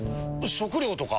食料とか？